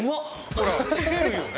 ほら来てるよね？